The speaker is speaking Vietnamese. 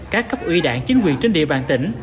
các cấp ủy đảng chính quyền trên địa bàn tỉnh